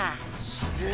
すげえ！